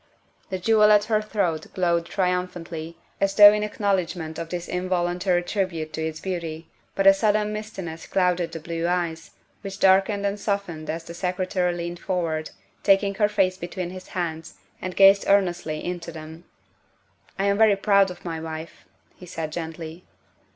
The jewel at her throat glowed triumphantly, as though in acknowledgment of this involuntary tribute to its beauty, but a sudden mistiness clouded the blue eyes, which darkened and softened as the Secretary leaned forward, taking her face between his hands, and gazed earnestly into them. " I am very proud of my wife," he said gently.